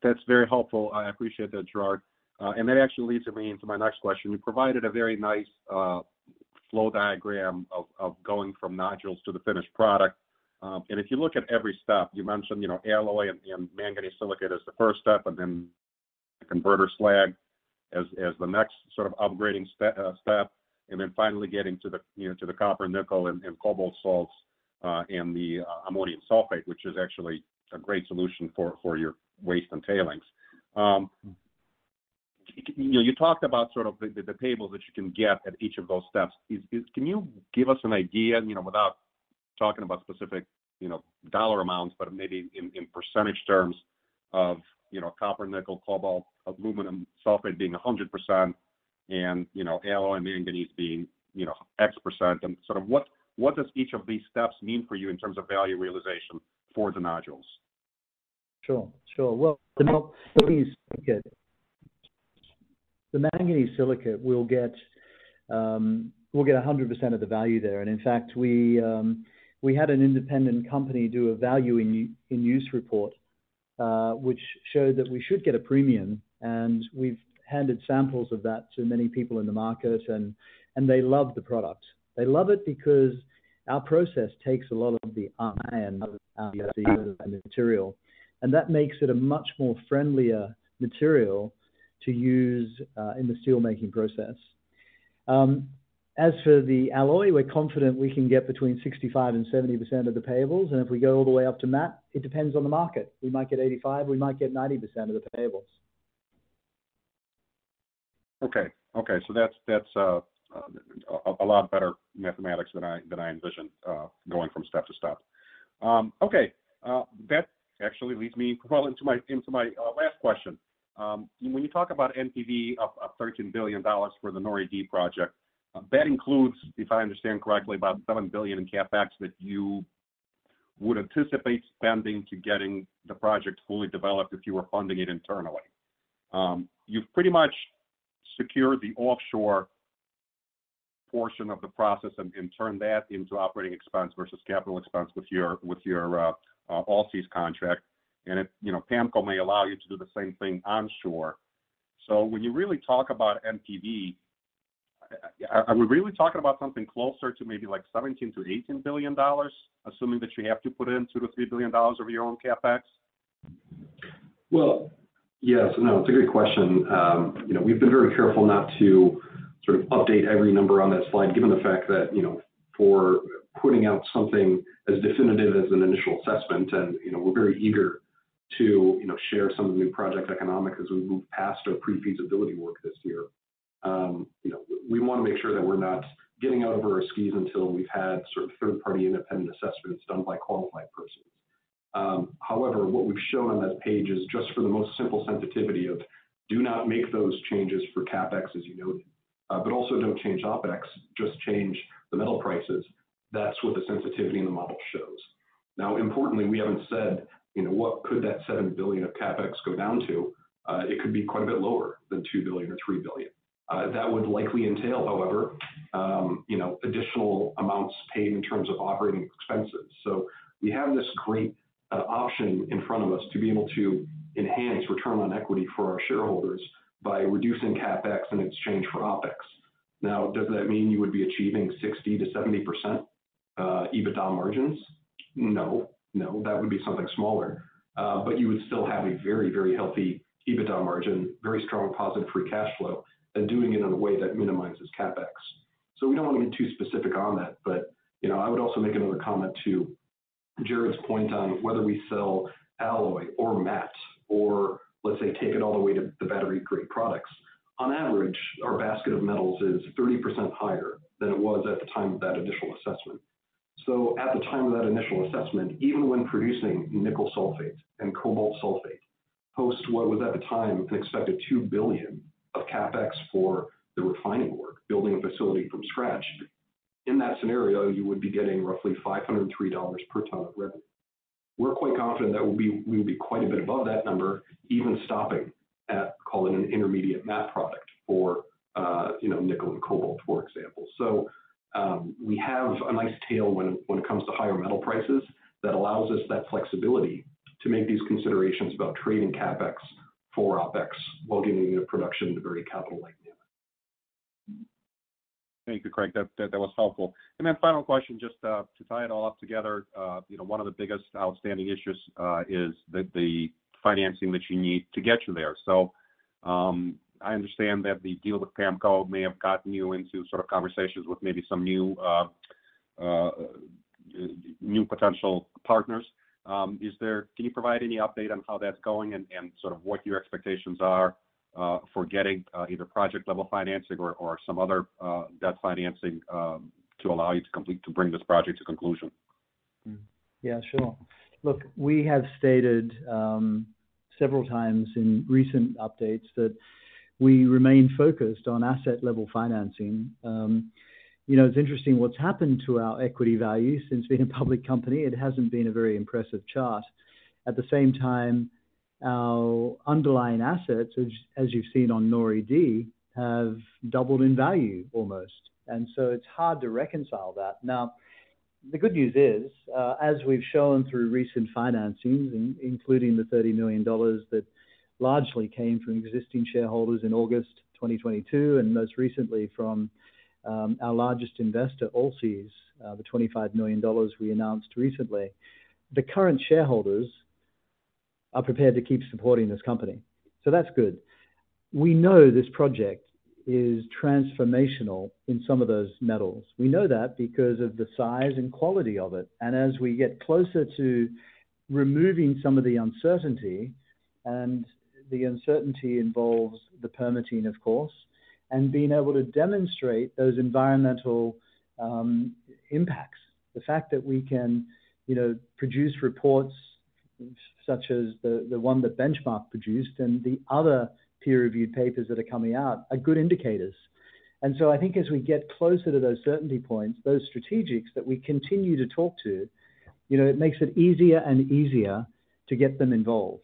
That's very helpful. I appreciate that, Gerard. That actually leads me into my next question. You provided a very nice flow diagram of going from nodules to the finished product. If you look at every step, you mentioned, you know, alloy and manganese silicate as the first step, and then the converter slag as the next sort of upgrading step, and then finally getting to the, you know, to the copper, nickel and cobalt salts, and the ammonium sulfate, which is actually a great solution for your waste and tailings. You know, you talked about sort of the payables that you can get at each of those steps. Is. Can you give us an idea, you know, without talking about specific, you know, dollar amounts, but maybe in percentage terms of, you know, copper, nickel, cobalt, ammonium sulfate being 100% and, you know, alloy and manganese being, you know, X%, and sort of what does each of these steps mean for you in terms of value realization for the nodules? Sure. Sure. Well, the manganese silicate. The manganese silicate will get 100% of the value there. In fact, we had an independent company do a value in use report, which showed that we should get a premium, and we've handed samples of that to many people in the market and they love the product. They love it because our process takes a lot of the iron out of the material, and that makes it a much more friendlier material to use in the steelmaking process. As for the alloy, we're confident we can get between 65% and 70% of the payables, and if we go all the way up to matte, it depends on the market. We might get 85%, we might get 90% of the payables. Okay. Okay. That's a lot better mathematics than I, than I envisioned going from step to step. Okay. That actually leads me well into my, into my last question. When you talk about NPV of $13 billion for the NORI-D project, that includes, if I understand correctly, about $7 billion in CapEx that you would anticipate spending to getting the project fully developed if you were funding it internally. You've pretty much secured the offshore portion of the process and turned that into operating expense versus capital expense with your, with your Allseas contract. It, you know, PAMCO may allow you to do the same thing onshore. When you really talk about NPV, are we really talking about something closer to maybe like $17 billion-$18 billion, assuming that you have to put in $2 billion-$3 billion of your own CapEx? Well, yes, no, it's a good question. You know, we've been very careful not to sort of update every number on that slide, given the fact that, you know, for putting out something as definitive as an initial assessment, and, you know, we're very eager to, you know, share some of the new project economics as we move past our pre-feasibility work this year. You know, we want to make sure that we're not getting out over our skis until we've had sort of third-party independent assessments done by qualified persons. However, what we've shown on that page is just for the most simple sensitivity of do not make those changes for CapEx as you noted, but also don't change OpEx, just change the metal prices. That's what the sensitivity in the model shows. Importantly, we haven't said, you know, what could that $7 billion of CapEx go down to? It could be quite a bit lower than $2 billion or $3 billion. That would likely entail, however, you know, additional amounts paid in terms of operating expenses. We have this great option in front of us to be able to enhance return on equity for our shareholders by reducing CapEx in exchange for OpEx. Does that mean you would be achieving 60%-70% EBITDA margins? No, that would be something smaller. You would still have a very, very healthy EBITDA margin, very strong positive Free Cash Flow, and doing it in a way that minimizes CapEx. We don't want to get too specific on that. you know, I would also make another comment to Gerard's point on whether we sell alloy or matte or, let's say, take it all the way to the battery-grade products. On average, our basket of metals is 30% higher than it was at the time of that initial assessment. At the time of that initial assessment, even when producing nickel sulfate and cobalt sulfate, post what was at the time an expected $2 billion of CapEx for the refining work, building a facility from scratch. In that scenario, you would be getting roughly $503 per ton of revenue. We're quite confident that we'll be quite a bit above that number, even stopping at, call it an intermediate matte product for, you know, nickel and cobalt, for example. We have a nice tail when it comes to higher metal prices that allows us that flexibility to make these considerations about trading CapEx for OpEx while getting the production to very capital light. Thank you, Craig. That was helpful. Final question, just to tie it all up together. You know, one of the biggest outstanding issues is the financing that you need to get you there. I understand that the deal with PAMCO may have gotten you into sort of conversations with maybe some new potential partners. Can you provide any update on how that's going and sort of what your expectations are for getting either project-level financing or some other debt financing to allow you to bring this project to conclusion? Yeah, sure. Look, we have stated, several times in recent updates that we remain focused on asset-level financing. You know, it's interesting what's happened to our equity value since being a public company. It hasn't been a very impressive chart. At the same time, our underlying assets, as you've seen on NORI-D, have doubled in value almost. It's hard to reconcile that. Now, the good news is, as we've shown through recent financings, including the $30 million that largely came from existing shareholders in August 2022, and most recently from our largest investor, Allseas, the $25 million we announced recently. The current shareholders are prepared to keep supporting this company. That's good. We know this project is transformational in some of those metals. We know that because of the size and quality of it. As we get closer to removing some of the uncertainty, and the uncertainty involves the permitting, of course, and being able to demonstrate those environmental impacts. The fact that we can, you know, produce reports such as the one that Benchmark produced and the other peer-reviewed papers that are coming out are good indicators. I think as we get closer to those certainty points, those strategics that we continue to talk to, you know, it makes it easier and easier to get them involved.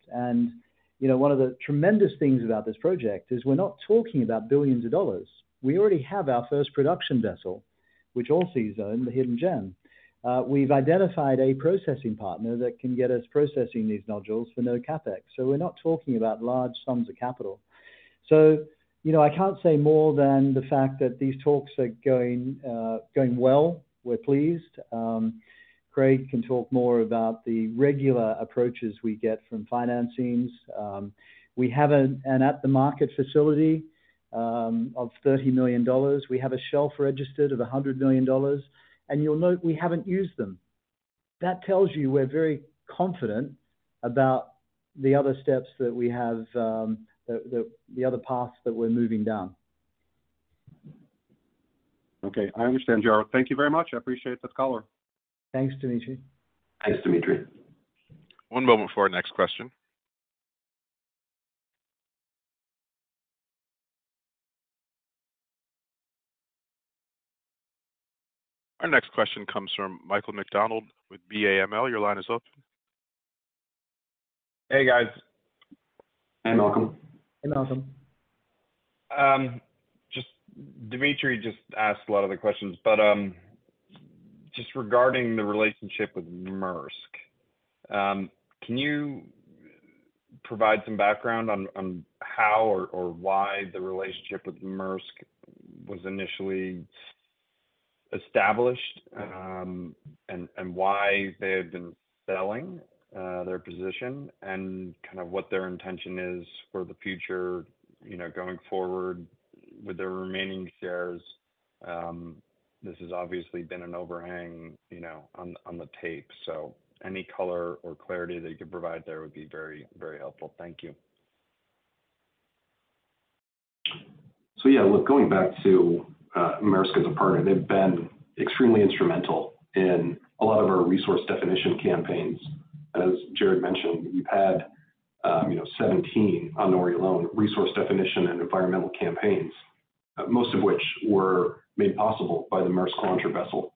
You know, one of the tremendous things about this project is we're not talking about billions of dollars. We already have our first production vessel, which Allseas own, the Hidden Gem. We've identified a processing partner that can get us processing these nodules for no CapEx. So we're not talking about large sums of capital. You know, I can't say more than the fact that these talks are going well. We're pleased. Craig can talk more about the regular approaches we get from financings. We have an at-the-market facility of $30 million. We have a shelf registered of $100 million. You'll note we haven't used them. That tells you we're very confident about the other steps that we have, the other paths that we're moving down. Okay. I understand, Gerard. Thank you very much. I appreciate the call. Thanks, Dmitry. Thanks, Dmitry. One moment for our next question. Our next question comes from Malcolm McDonald with BAML. Your line is open. Hey, guys. Hi, Malcolm. Hey, Malcolm. Dmitry just asked a lot of the questions, but, just regarding the relationship with Maersk, can you provide some background on how or why the relationship with Maersk was initially established? Why they have been selling their position and kind of what their intention is for the future, you know, going forward with their remaining shares. This has obviously been an overhang, you know, on the tape. Any color or clarity that you could provide there would be very, very helpful. Thank you. Yeah, look, going back to Maersk as a partner, they've been extremely instrumental in a lot of our resource definition campaigns. As Gerard mentioned, we've had, you know, 17, on NORI alone, resource definition and environmental campaigns, most of which were made possible by the Maersk Launcher vessel.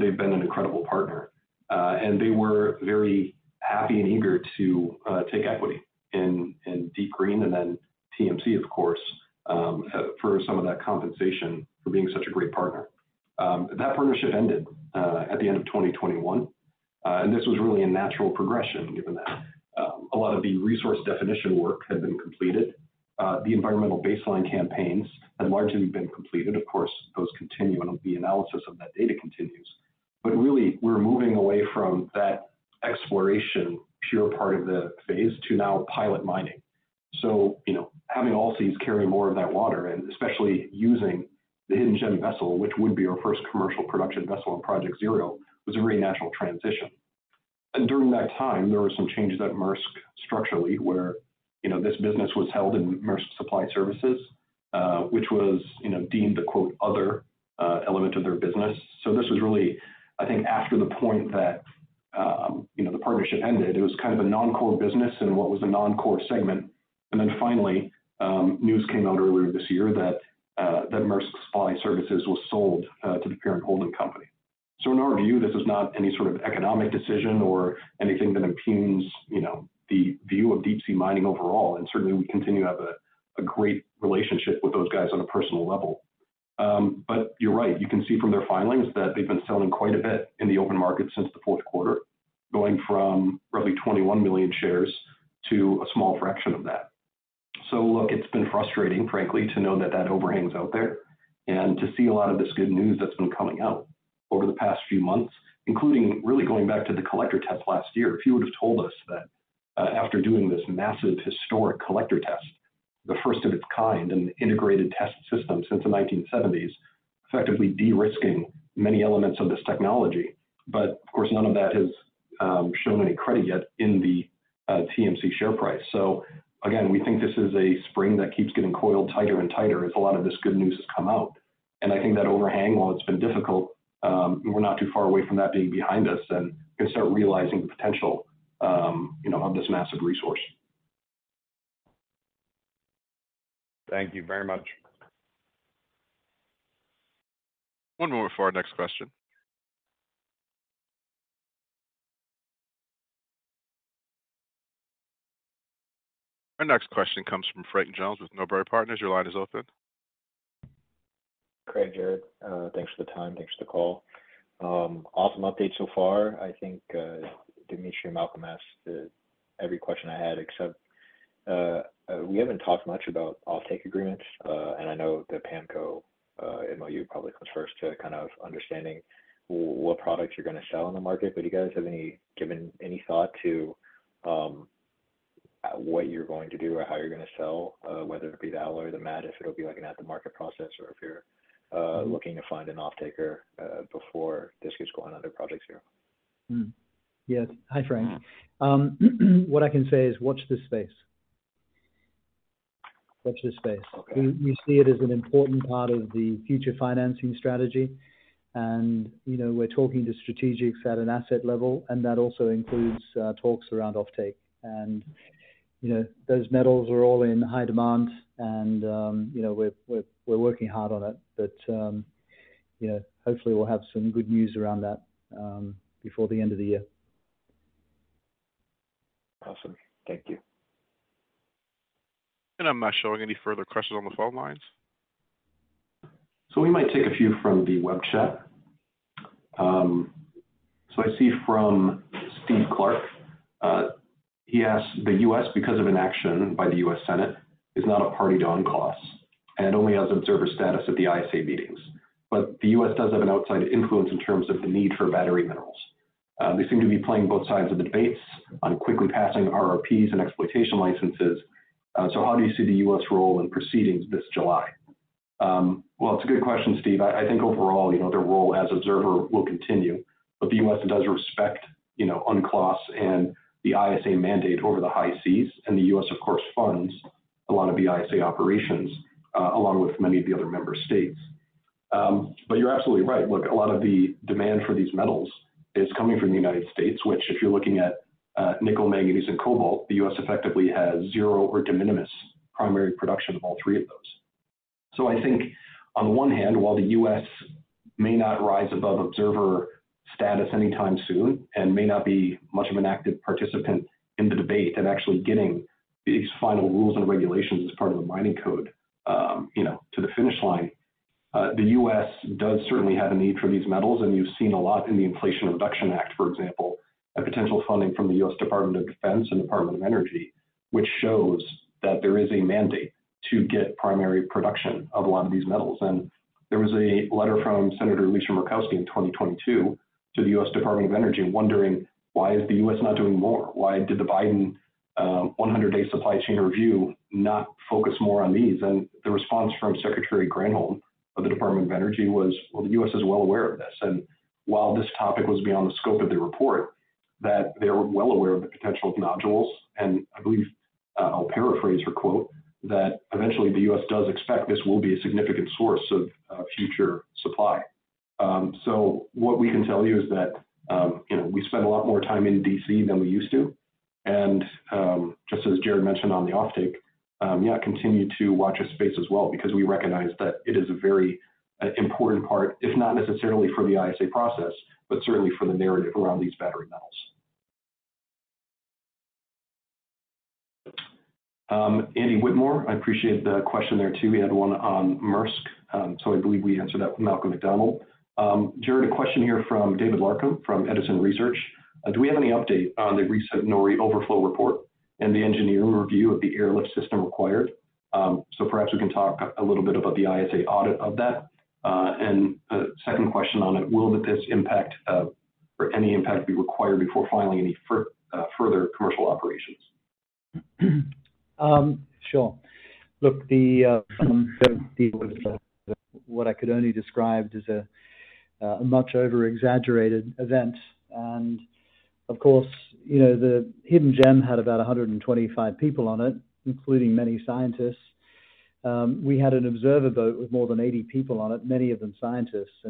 They've been an incredible partner. They were very happy and eager to take equity in DeepGreen and then TMC, of course, for some of that compensation for being such a great partner. That partnership ended at the end of 2021, this was really a natural progression given that a lot of the resource definition work had been completed. The environmental baseline campaigns had largely been completed. Of course, those continue and the analysis of that data continues. Really, we're moving away from that exploration pure part of the phase to now pilot mining. You know, having Allseas carry more of that water, and especially using the Hidden Gem vessel, which would be our first commercial production vessel on Project Zero, was a very natural transition. During that time, there were some changes at Maersk structurally, where, you know, this business was held in Maersk Supply Services, which was, you know, deemed the, quote, "other", element of their business. This was really, I think after the point that, you know, the partnership ended, it was kind of a non-core business in what was a non-core segment. Then finally, news came out earlier this year that Maersk Supply Services was sold to the parent holding company. In our view, this is not any sort of economic decision or anything that impugns, you know, the view of deep sea mining overall. Certainly we continue to have a great relationship with those guys on a personal level. You're right. You can see from their filings that they've been selling quite a bit in the open market since the fourth quarter, going from roughly 21 million shares to a small fraction of that. Look, it's been frustrating, frankly, to know that that overhang is out there and to see a lot of this good news that's been coming out over the past few months, including really going back to the collector test last year. If you would have told us that, after doing this massive historic collector test, the first of its kind in integrated test systems since the 1970s, effectively de-risking many elements of this technology. Of course, none of that has shown any credit yet in the TMC share price. Again, we think this is a spring that keeps getting coiled tighter and tighter as a lot of this good news has come out. I think that overhang, while it's been difficult, we're not too far away from that being behind us and can start realizing the potential of this massive resource. Thank you very much. One moment for our next question. Our next question comes from Frank Jones with Norbury Partners. Your line is open. Craig, Gerard, thanks for the time. Thanks for the call. Awesome update so far. I think Dmitry and Malcolm asked every question I had, except we haven't talked much about offtake agreements. I know the PAMCO MoU probably comes first to kind of understanding what products you're gonna sell on the market. Do you guys have given any thought to what you're going to do or how you're gonna sell, whether it be the alloy or the matte, if it'll be like an at the market process or if you're looking to find an off taker before this gets going on other projects here? Yes. Hi, Frank. What I can say is watch this space. Watch this space. Okay. We see it as an important part of the future financing strategy. You know, we're talking to strategics at an asset level, and that also includes talks around offtake. You know, those metals are all in high demand and, you know, we're working hard on it. You know, hopefully we'll have some good news around that before the end of the year. Awesome. Thank you. I'm not showing any further questions on the phone lines. We might take a few from the web chat. I see from Steve Clarke, he asks, the U.S., because of inaction by the U.S. Senate, is not a party to UNCLOS and only has observer status at the ISA meetings. The U.S. does have an outside influence in terms of the need for battery minerals. They seem to be playing both sides of the debates on quickly passing RRPs and exploitation licenses. How do you see the U.S. role in proceedings this July? Well, it's a good question, Steve. I think overall, you know, their role as observer will continue. The U.S. does respect, you know, UNCLOS and the ISA mandate over the high seas. The U.S., of course, funds a lot of the ISA operations, along with many of the other member states. You're absolutely right. Look, a lot of the demand for these metals is coming from the United States, which, if you're looking at nickel, manganese, and cobalt, the U.S. effectively has zero or de minimis primary production of all three of those. I think on one hand, while the U.S. may not rise above observer status anytime soon and may not be much of an active participant in the debate and actually getting these final rules and regulations as part of the Mining Code, you know, to the finish line, the U.S. does certainly have a need for these metals. You've seen a lot in the Inflation Reduction Act, for example, a potential funding from the U.S. Department of Defense and Department of Energy, which shows that there is a mandate to get primary production of a lot of these metals. There was a letter from Senator Lisa Murkowski in 2022 to the U.S. Department of Energy wondering why is the U.S. not doing more? Why did the Biden, 100-day supply chain review not focus more on these? The response from Secretary Granholm of the Department of Energy was, "Well, the U.S. is well aware of this." While this topic was beyond the scope of the report, that they were well aware of the potential of nodules. I believe, I'll paraphrase her quote, that eventually the U.S. does expect this will be a significant source of future supply. What we can tell you is that, you know, we spend a lot more time in D.C. than we used to. Just as Gerard mentioned on the offtake, continue to watch this space as well because we recognize that it is a very important part, if not necessarily for the ISA process, but certainly for the narrative around these battery metals. Andy Whitmore, I appreciate the question there too. We had one on Maersk, I believe we answered that with Malcolm McDonald. Gerard, a question here from David Larcombe from Edison Investment Research. Do we have any update on the recent NORI overflow report and the engineering review of the airlift system required? Perhaps we can talk a little bit about the ISA audit of that. A second question on it, will the PIS impact, or any impact be required before filing any further commercial operations? Sure. Look, the what I could only describe as a much over-exaggerated event. Of course, you know, the Hidden Gem had about 125 people on it, including many scientists. We had an observer boat with more than 80 people on it, many of them scientists.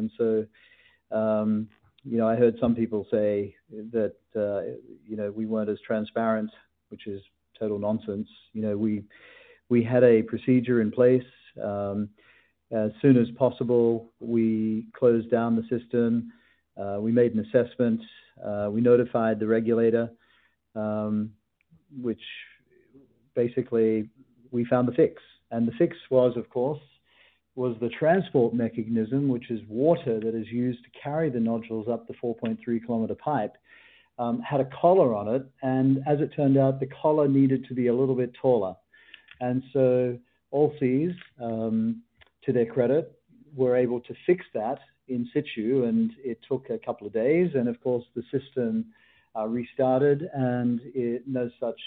You know, I heard some people say that, you know, we weren't as transparent, which is total nonsense. You know, we had a procedure in place. As soon as possible, we closed down the system. We made an assessment. We notified the regulator, which basically we found the fix. The fix was, of course, was the transport mechanism, which is water that is used to carry the nodules up the 4.3 km pipe, had a collar on it. As it turned out, the collar needed to be a little bit taller. Allseas, to their credit, were able to fix that in situ, and it took two days. Of course, the system restarted and no such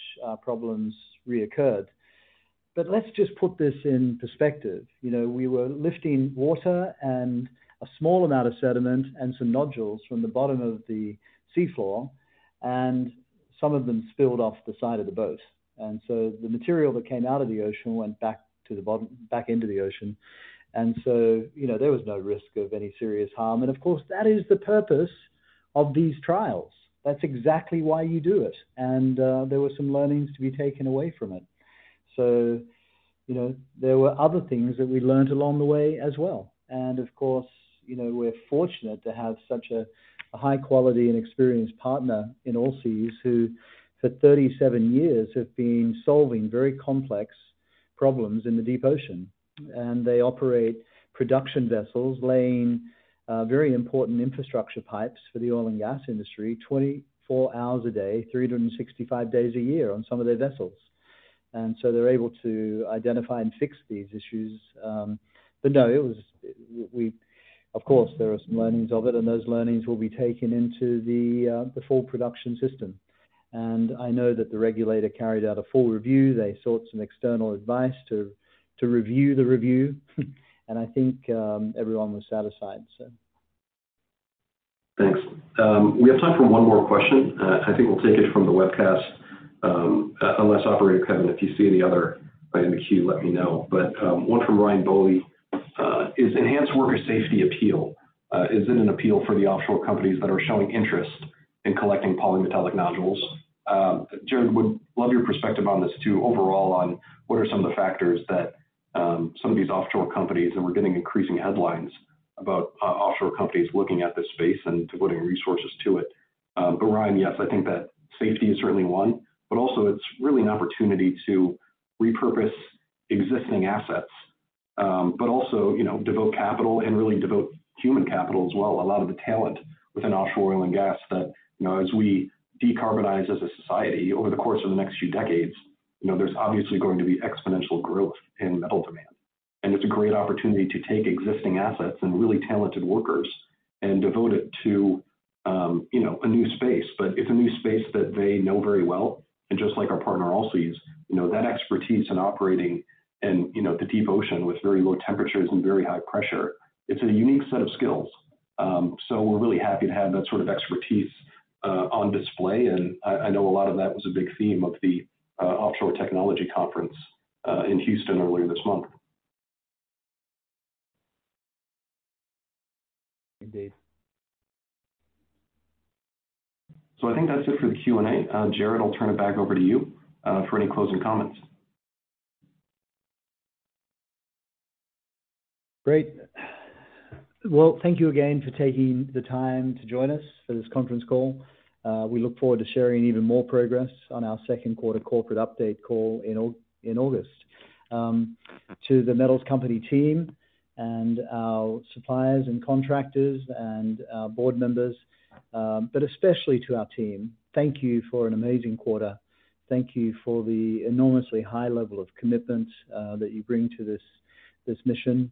problems reoccurred. Let's just put this in perspective. You know, we were lifting water and a small amount of sediment and some nodules from the bottom of the seafloor, and some of them spilled off the side of the boat. The material that came out of the ocean went back to the bottom back into the ocean. You know, there was no risk of any serious harm. Of course, that is the purpose of these trials. That's exactly why you do it. There were some learnings to be taken away from it. You know, there were other things that we learned along the way as well. Of course, you know, we're fortunate to have such a high quality and experienced partner in Allseas who for 37 years have been solving very complex problems in the deep ocean. They operate production vessels laying very important infrastructure pipes for the oil and gas industry, 24 hours a day, 365 days a year on some of their vessels. They're able to identify and fix these issues. No, it was. Of course, there are some learnings of it, and those learnings will be taken into the full production system. I know that the regulator carried out a full review. They sought some external advice to review the review. I think everyone was satisfied. Thanks. We have time for one more question. I think we'll take it from the webcast, unless operator Kevin, if you see any other in the queue, let me know. One from Ryan Boley. Is enhanced worker safety appeal, is it an appeal for the offshore companies that are showing interest in collecting polymetallic nodules? Gerard, would love your perspective on this too, overall, on what are some of the factors that some of these offshore companies, and we're getting increasing headlines about offshore companies looking at this space and devoting resources to it. Ryan, yes, I think that safety is certainly one, but also it's really an opportunity to repurpose existing assets, but also, you know, devote capital and really devote human capital as well, a lot of the talent within offshore oil and gas that, you know, as we decarbonize as a society over the course of the next few decades, you know, there's obviously going to be exponential growth in metal demand. It's a great opportunity to take existing assets and really talented workers and devote it to, you know, a new space. It's a new space that they know very well. Just like our partner, Allseas, you know, that expertise in operating in, you know, the deep ocean with very low temperatures and very high pressure, it's a unique set of skills. We're really happy to have that sort of expertise, on display. I know a lot of that was a big theme of the Offshore Technology Conference, in Houston earlier this month. Thanks. I think that's it for the Q&A. Gerard, I'll turn it back over to you for any closing comments. Great. Well, thank you again for taking the time to join us for this conference call. We look forward to sharing even more progress on our second quarter corporate update call in August. To The Metals Company team and our suppliers and contractors and our board members, but especially to our team, thank you for an amazing quarter. Thank you for the enormously high level of commitment, that you bring to this mission.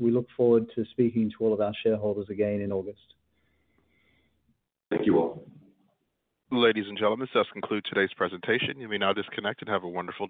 We look forward to speaking to all of our shareholders again in August. Thank you all. Ladies and gentlemen, this does conclude today's presentation. You may now disconnect and have a wonderful day.